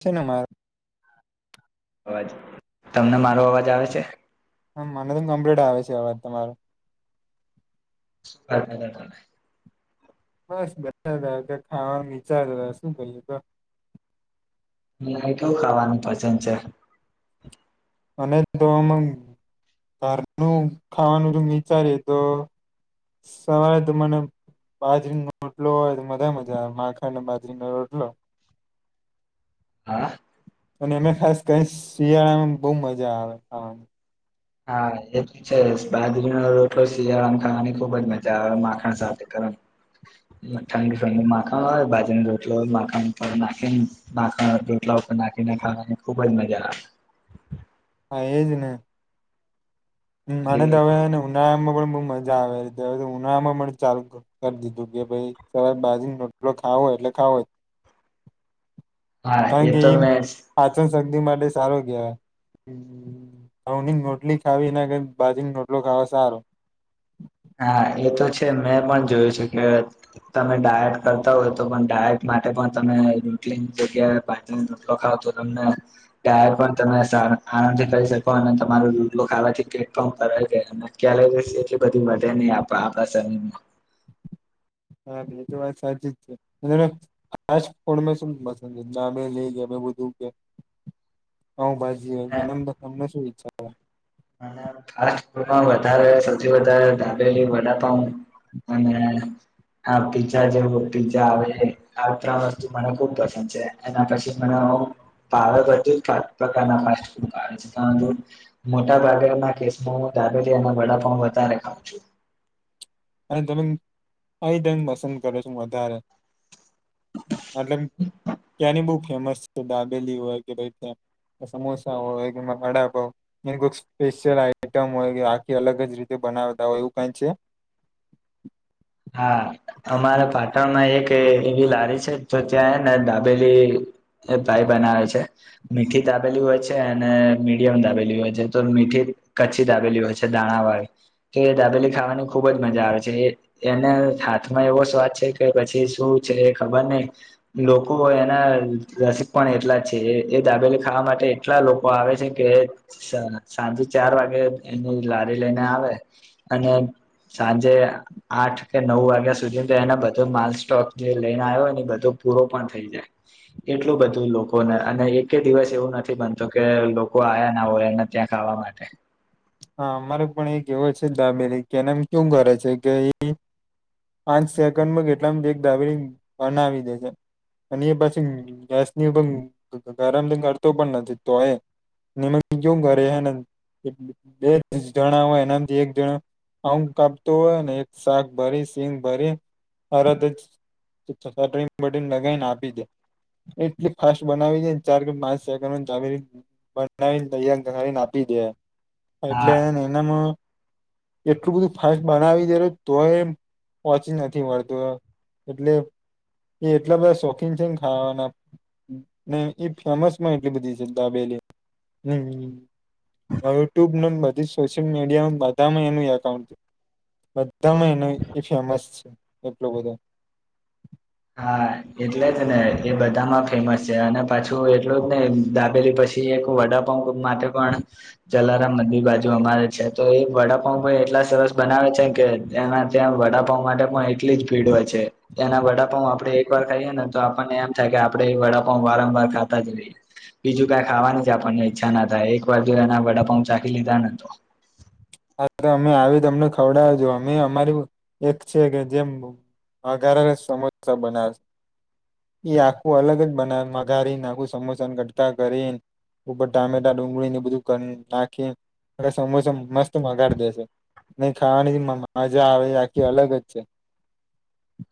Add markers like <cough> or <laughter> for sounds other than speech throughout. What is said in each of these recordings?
શનુંમા અવાજ તમને મારો અવાજ આવે છે હમ મને તો કમ્પ્લીટ આવે છે અવાજ તમારો હા <unintelligible> બસ બધ ખાવાનું વિચારતા શું કહીએ તો નાટું ખાવાનું પસંદ છે અને તોમાં ઘરનું ખાવાનું વિચારી તો સવારે તો મને બાજરીનો રોટલો હોય તો મજા મજા આવે માખા અને બાજરીનો રોટલો હા અને અમે ખાસ કઈ શિયાળામાં બહુ મજા આવે ખાવામાં હા એ છે બાજરીનો રોટો શિયાળાને ખાવાની ખુબજ મજા આવે માખણ સાથે હ ઠંડી ઠંડી માખા હોય ભાજી ને રોતલો હોય માખ નાખનેખલા નાખીને ખાવાની ખુબ જ મજા આવે <inaudible> એજને આવે અને તો હવે ઉનામાં પણ મજા આવે ર હ ઉનાામાં પણ ચાલુ કરી દીધું કે ભાઈ સવારે બાજુોટલો ખાવો હોય. એટલે કા હોય હા કારણ એ કે તો મેં આજે જ શદી માટે સારો કેવાયની રોટલી ખાવી ના બાજરી રોટલો ખાવા સારો. હા એ તો છે મેં પણ જોયું છે કે તમે ડાયટ કરતા હોય તો પણ ડાયટ તમે રટલી જગ્યા રોટ ખાવ તો તનેાયર પણ તમેને જાય પન સારૂ આરામથી કરી શકો અને તમારું રોટલો ખાવાથી કેામ કર છે ક્યાય <unintelligible> બે નહી આપ આપણા શરીરમાં હા પે તો વાત સાચી જ છે. આજ ફણ મેં શું પસંદ ના મેં લે ગયા મે બુધું કેયા પાવભાજી હોમ તમને શું ઈચ્છા ફાસ્ટ ફૂડમાં વધારે સૌથી વધારે દાબેલી વડાપાઉં. અને આ પીઝા જેવ પીઝા આવે આ વસ્તુ મને ખુબ પસંદ છે એના પછી મ પાંચ પ્રકારના ફડ મોટા ભાગેના કે દાબેલી અને વડાપાવ વધારે ખઉં છું. અને તમે આંગ પસંદ કરો છો વધારે મતલબ ક્યાંની બહ ફેમસ છે ડાબેલી હોય કે ભાઈ ત સમોસા હોય કે વડાપાઉં હો એ કોક સ્પેશિયલ આઈટમ હોય આખી અલગ જ રીતે બનાવતા હોય એવું કઈ છે. હા અમારે પાટણમાં એક એવી લારી છે તો ત્યાંને દાબેલી. એ ભાઈ બનાવે છે મીઠી દાબેલી હોય છે અને મીડિયમ દાબેલી હોય છે તો મીઠી. કચ્છી દાબેલી હોય છે દાણા વાળી તો એ દાબેલી ખાવાની ખુબ જ મજા આવે છે એ. એને હાથમાં એવો સ્વાદ છે કે પછી શું છે એ ખબર નહ લોકો એના રસીક પણ એટલા છે એ દાબેલી ખાવા માટે એટલા લોકો આવે છે કે. સાંજે ચાર વાગે એની લારી લઈને આવે અને સાંજે આઠ કે નવ વાગ્યા સુધી તો એને બધો માલ સ્ટોક જે લઈને આવ્યો હોય ને બધો પૂરો પણ થઈ જાય. એટલું બધું લોકોને અને એક દિવસ એવું નથી બનતો કે લોકો આયા ના હોય ત્યાં. ખાવા માટે હા મારે પણ એક એવો છે દાબેરી કે એનેમ કેું કરે છે કે. પાંચ સેકન્ડમાં કેટલામ એક દાબેલી બનાવી દે છે. અને એ પછી ગેસની પણ ગરમ કરતો પણ નથી તો એ નિમ કેું કરે છે બે જણા હોય એનાથી એક જણા. અમ કાપતો હોય ને એક શાક ભરી સિંગ ભરી અરદ જ ટ બટન લગાવીને આપી દે. એટલી ફાસ્ટ બનાવીનેને ચાર કે પાંચ સેકન્ડ માં દાબેલી બનાવીને દૈને આપી હા એટલે એનામાં એટલું બધું ફાસ બનાવી દેલ તોયમ પહોચી નથી મળતું એટલે એ એટલા બધા શોખીન છે ને ખાવાના. ન ઈ ફેમસ માં એટલી બધી છે દાબેલી હમ યુટ્યુબને બધી જ સોશિયલ મીડિયામાં બધામાં એનું એકાઉન્ટ બધા એ ન એ ફેમસ છે એટલું બધું હા એટલે જ ને એ બધામાં ફેમસ છે અને પાછું એટલું જ ને દાબેલી પછી. પછી એક વડાપાંઉ માટે પણ જલાર બંદી બાજુ અમારે છે તો એ વડાપાંઉ હો. એટલા સરસ બનાવે છે કે એના ત્યાં વડાપ માટે પણ એટલી જ ભીડ હોય છે એના વડા વપ આપડે એક વાર ખાઈએ ને તો આપણને એમ થાય કે આપણે એ વડાપા વારંવાર ખાતા જઈએ બીજું કઈ ખાવાનું છે આપણને ઈચ્છા ના થાય એક વાર જોના વડાપાઉ ચાખી લીધા ને તો હા તો અમે આવી તમને ખવડાવજો અમે અમારી એક છે કે જેમ અગાર સમોસા બનાવે છે આખું અલગ જ બનાવે વઘારીને આખું સમોસન કટકા કરીને ઉપર ટામેટા ડુંગળી ને બધું નાખી સમોસા મસ્ત વ ગાડી દેશે નહી ખાવાની મજા આવે એ આખી અલગ જ છે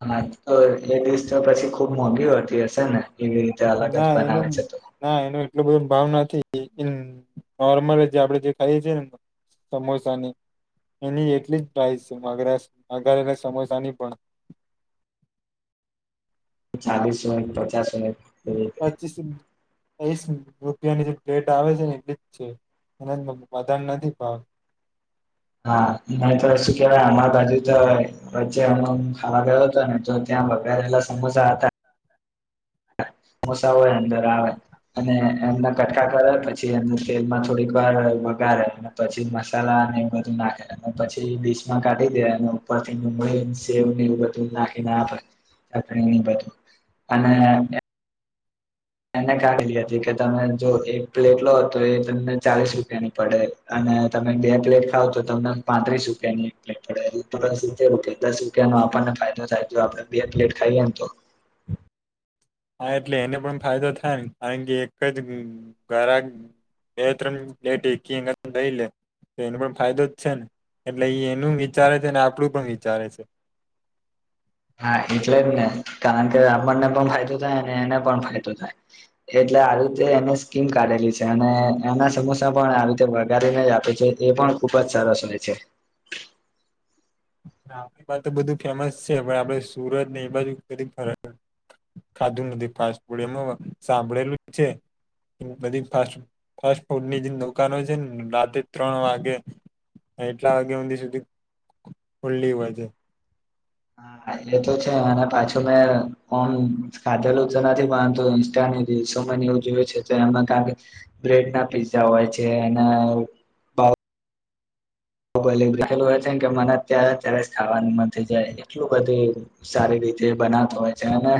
હા તો એ દિવસ તો પછી ખુબ મોંઘી હોતી હશે ને એવી રીતે અલગ જ ના એનું બનાવે છે તો ના એનો એટલો બધો ભાવ નથી નોર્મલ જે આપડણે જે ખાઈએ છીએ ને સમોસાની એની એટલી જ પ્રઇઝ વગારેલા સમોસા ની પણ <inaudible> ચાલીસ મિનિટ પચાસ મીનિટ એવી રીતે વીસ રૂપિયાની જે પ્લેટ આવે છે ને એલી જ છે એ બણ નથી પાવ હા નહી તો શું કેવાય આમા બાજુ તો વચ્ચે ખાવા ગયો હતો ને તો ત વગારેલા સમોસા હતા મોસા હોય અંદર આવે અને એમના કટકા કરે પછી તેલમાં થોડીક વાર વગારેે અને પછી મસાલા અને બધું નાખે પછી બીચમાં કાઢી દે ઉપર થીને સેવને એ બધું નાખીને આપે એ બધું અને એને કાઢીલીી હતી કે તમે જો એક પ્લેટ લો તો એ તમને ચાલીસ રૂપિયાની પડે તમે બે પ્લેટ ખાવ તો તમને પાંત્રીસ રૂપિયા ની એક પ્લેટ પડે સિતતેર રૂપિયા દસ રૂપિયા આપને ફાયદો થાય તો આપડે બે પ્લેટ ખાઈએ ને તો હા એટલે એને પણ ફાયદો થાયને કારણ કે એક જ ઘરાક બેત્ર લેટ કી એ થઈ લ તો એનો પણ ફાયદો જ છે ને એટલે એ એનું વિચારે છે આપણું પણ વિચારે છે હા એટલે જ ને કારણ કે આપણને પણ ફાયદો થાય અને એને પણ ફાયદો થાય એ એ આવી રીતે એને સ્કીમ કાઢેલી છે અને એના સમોસા પણ આવી રીતે વગારીને જ આપે છે એ પણ ખુબ જ સારા સ છે આપણી વાત તો બધું ફેમસ છે પણ આપડે સુરત ને એ બાજુ બધી ફરક ખાધું નથી ફાસ્ટ ફૂડ એમાં સાંભળેલું છે બધી ફાસ્ટ ફાસ્ટ ફૂડની જે દુકાનો છે ને રાતે ત્રણ વાગે એટલા વાગ્યા સુધી સુધી ખુલ્લી હોય છે હા એ તો છે અને પાછું મેં કોણ ખાધેલું તો નથી માંધતું ઇા નવ જોય છે તો એમાં કાર બ્રેડ ના પીઝા હોય છે એના બાય બેલ છે કે મને્યારેત્યારે ખાવાનું મ જાય એટલું બધું સારીીતે બનાતો હોય છે અને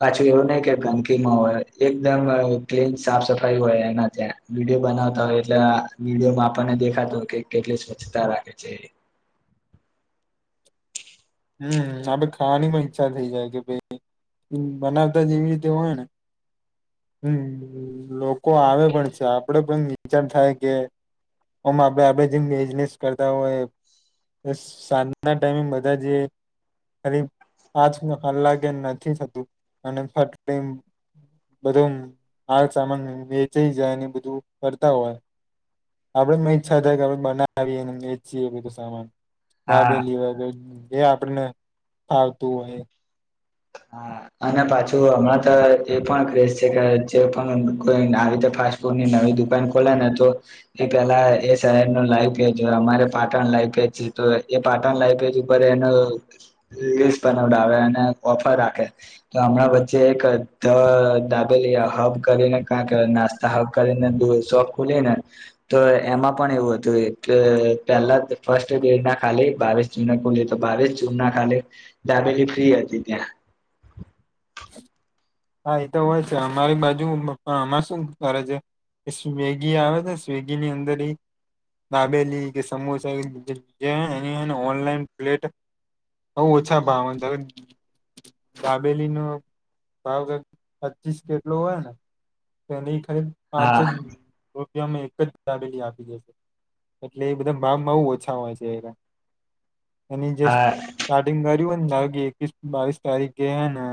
પાછું એવું નહ કે ગંદકીમાં હોય એકદમ ક્લીન સાફ સા સફાઈ હોય એના ત્યાં વિડીયો બનાવતા હોય એટલે વિડીયોમાં આપણને દેખાતો હોય કે કેટલી તા રાખે છે હમ આપે ખાવાની પણ ઈચ્છા થઈ જાય કે ભાઈ બનાવતા જેવી રીતે હોય ને હમ લોકો આવે પણ છે આપડે પણ વિચાર થાય કે આમ આપ આપે જે બેઝનેસ કરતા હોય સાંજના ટાઈમે બધા જે આજ અલાગે નથી થતું અને ફટ બધું આ સામાન વેચાઈ જાય ને બધું કરતા હોય આપડે મે ઈચ્છા થાય કે આપડે બનાવીએ અને વેચીએ બધું સામાન હા દાબેલી વા એ આપડને ફાવતું હોય હા અને પાછું હમણાં તો એ પણ ક્રેઝ છે કે જે પણ કોઈને આવી રતે ફાસ્ટફૂડની નવી દુકાન ખોલેને તો એ પેલા એ શહેરનો લાઈવ <unintelligible> અમારે પાટણ લાઇ <unintelligible> એનો લિસ્ટ બનાવડાવે અને ઓફર રાખે તો હમણાં વચ્ચે એક ધ દાબેલી હબ કરીને કાક નાસ્તા હક કરીને શોપ ખુલી ને તો એમાં પણ એવું હતું એ કે પેલા ફર્સ્ટ ડે ના ખાલી બાવીસ જૂને ખુલી તો બાવીસ જૂન ના ખાલી ધાબેલી ફ્રી હતી ત્યાં હા એતો હોય છે અમારી બાજુમાં શું કરે છે સ્વેગી આવે ને સ્વેગીની અંદર એ દાબેલી કે સમોસા જે એ એની હે ને ઓનલાઈન પ્લેટ બઉ ઓછા ભાવન તમે દાબેલી ન ભાવ કંઈક પચીસ કે એટલો હોય ને તો એની ખાલી પાંચ જ હા તે અમે એક જ દાબેલી આપી જશે એટલે એ બધા મામ બઉ ઓછા હોય છે એના એની જે હા સ્ટાર્ટિંગ કર્યું હોય ને ધારો કે એકવીસ બાવીસ તારીખ ગે હેને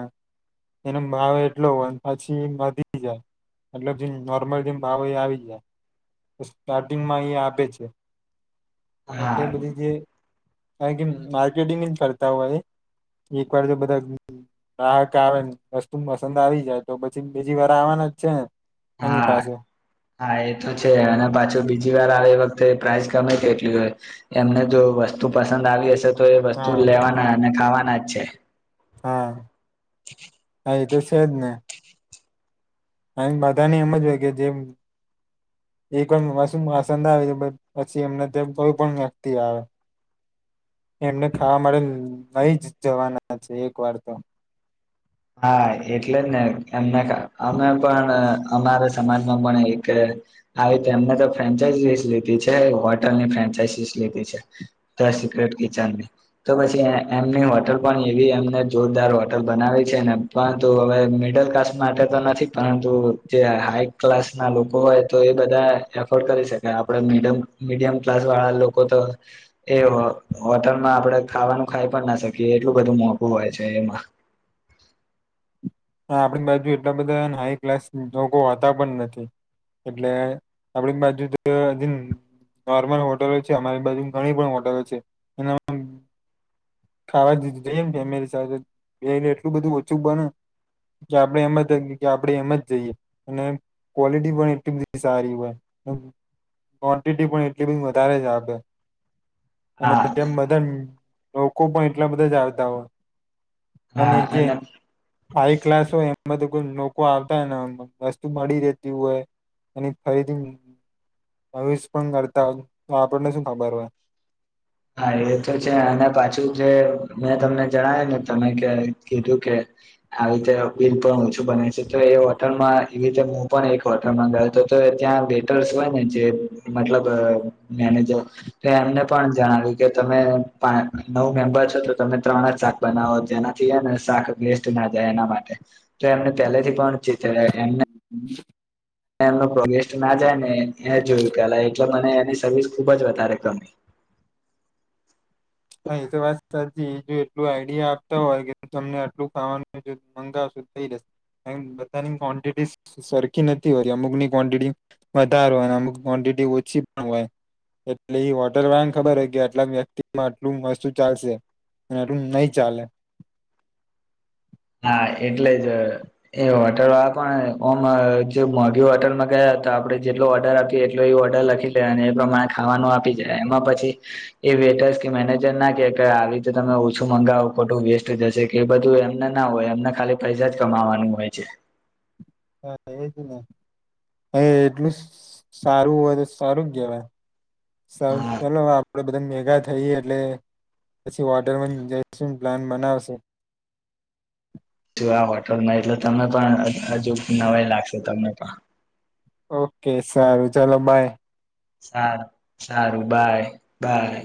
એનો ભાવ એટલો હોન પછી વધી જાય. એટલ જે નોર્મલ જેમ ભાવ એ આવી જાય તો સ્ટાર્ટિંગમાં એ આપે છે. એટલે હા બધી જે કારણ કે માર્કેટિંગ કરતા હોય એક વાર જો બધા ગ્રાહક આવે ને વસ્તુ પસંદ આવી જાય તો પછી બીજી વાર આવાના. અચ્છા. હા હા એ તો છે અને પાછું બીજું બીજી વાર આવે એ વખતે પ્રાઇસ ગમે તેટલી હોય એમને જો વસ્તુ પસંદ આવી હશે. તો એ વસ્તુ હા લેવાના અને ખાવાના જ છે. હા હા એ તો છે જ ને. અને બધાની એમ જ હોય કે જે. એક વાર વસ્તુ પસંદ આવી પછી એમને ત્યાં કોઈ પણ વ્યક્તિ આવે. <inaudible> એમને ખાવા માટેે લઈ જ જવાના છે. એક વાર તો હા એટલે જ ને એમને અમે પણ અમારા સમાજમાં પણ એક આવી તેમને તો ફ્રેન્ચાઇસિસ લીધી છે. હોટેલ ની ફ્રેન્ચાઇસિસ લીધી છે. <unintelligible> તો પછી એમની હોટલ પણ એવી એમને જોરદાર હોટલ બનાવી. છે ને પરંતુ હવે મિડલ ક્લાસ માટે તો નથી. પરંતુ જે હાઈ ક્લાસ ના લોકો હોય તો એ બધા એફોર્ડ કરી શકે. અને આપડે મિડલ મીડિયમ ક્લાસ વાળા લોકો હોટલમાં આપડે ખાવાનું ખાઈ પણ ના શકીએ એટલું બધું મોંઘું હોય છે એમાં. <inaudible> આપણી બાજુ એટલા બધા હાઈ ક્લાસ લોકો હોતા પણ નથી. એટલે આપડી બાજુ <unintelligible> નોર્મલ હોટલો છે‌. અમારી બાજુ ઘણી પણ હોટલો છે એના ખાવા દીધું જઈમ ફેમિલી સાથે એટલું બધું ઓછું બને. કે આપણે એમ જ કંઈએ કે આપણેે એમાં જ જઈએ અને ક્વોલિટી પણ એટલી બધી સારી હોય એમ. ક્વોન્ટીટી પણ એટલી બધી વધારે જ આપે. અને હા તેમ બધા લોકો પણ એટલા બધા જ આવતા હોય. અને જે હાઈ ક્લાસ હોય એમ બધું લોકો આવતા હો ને વસ્તુ મળી રહેેતી હોય એની ફરીથી <unintelligible> પણ કરતા તો આપણને શું ખબર હોય હા એ તો છે. અને પાછું જે મેં તમને જણાવ્યું ને તમે કે કીધું કે આવી રીતે બિલ પણ ઓછું બને છે. તો એ હોટલમાં એવી રીતે હું પણ એક હોટલમાં ગયો હતો. તો ત્યાં વેટર્સ હોય ને જે મતલબ મેનેજર તો એમને પણ જણાવ્યું કે તમે પા નવ મેમ્બર છો તો તમે ત્રણ જ શાક બનાવો જેનાથી હે ને શાક વેસ્ટ ના જાય એના માટે તો એમને પહેલે થી પણ <inaudible> એમને એમનો <inaudible> ના જાય ને એ જોયું પેલા એટલે મને એની સર્વિસ ખુબ જ વધારે ગમી. <inaudible> એ તો વાત સાચી એટલું આઈ ડિ યા આપતા હોય કે તમને આટલું ખાવાનું મંગાવશું થઈ જશે. એમ બધાની ક્વોન્ટિટી સરખી નથી હોય અમુક ની ક્વોન્ટિટી વધારેય અને અમુક ક્વ ઓછી પણ હોય એટલે એ વોટર વાન ખબર હોય કે આટલા વ્યક્તિ <inaudible> એટલું વસ્તુ ચાલશે અને આટલું નઈ ચાલે. હા એટલે જ એ હોટેલ <unintelligible> જે મોઘી હોટલમાં ગયા. તા આપણે જેટલો ઓર્ડર આપએ એટલો એ ઓર્ડર લખી લે અને એ પ્રમાણે ખાવાનો આપી જાય એમાં પછી એ <unintelligible> મેનેજર ના કે <unintelligible> તમે ઓછું મંગાવો ખોટું વેસ્ટ જશે કે બધું એમ એમના ના હોય એમને ખાલી પૈસા જ કમાવાનું હોય છે. હા એજ ને. હ એટલું સારું હોય તો સારું કેવાય હા <inaudible> આપડે બધા મેગા થઈ એટલે પછી વોટર <inaudible> જશું પ્લાન બનાવશું. <inaudible> જો આ હોટલમાં એટલે તમે પણ હજુ નવાઈ લાગશે તમને પણ ઓ કે સારું ચાલો બાય સારું સારું બાય બાય